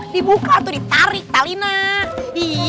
dibuka atau ditarik tali nah